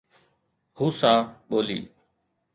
Hausa ٻولي